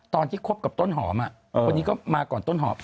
ตอนที่คบกับต้นหอมอ่ะคนนี้ก็มาก่อนต้นหอม